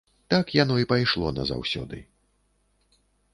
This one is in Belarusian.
Так яно і пайшло назаўсёды.